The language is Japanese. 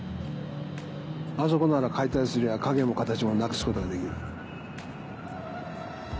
あそこなら解体すりゃ影も形もなくすことができる。